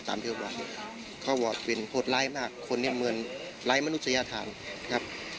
เขาบอกว่าเป็นหดร้ายมากคนเนี่ยเหมือนไร้มนุษยธรรม